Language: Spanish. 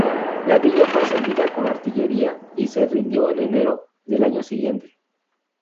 La villa fue asediada con artillería, y se rindió en enero del año siguiente.